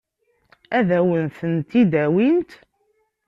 Ad wen-tent-id-awint?